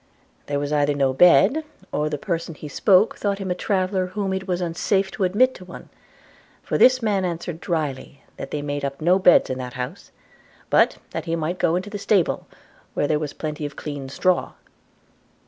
There either was no bed, or the person to whom he spoke thought him a traveler whom it was unsafe to admit to one; for this man answered drily, that they made up no beds in that house; but that he might go into the stable, where there was plenty of clean straw.